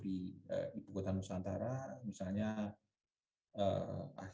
pemerintah sudah membuat perkembangan yang lebih baik untuk ibu kota nusantara